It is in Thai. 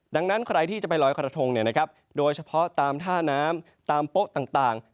ดังนั้นใครที่จะไปลอยกระทงโดยเฉพาะตามท่าน้ำตามโป๊ะต่าง